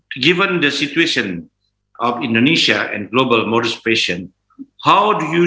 berdasarkan situasi indonesia dan modus operasi global